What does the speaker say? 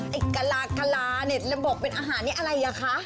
กะลากะลาเนี่ยแล้วบอกเป็นอาหารนี่อะไรอ่ะคะ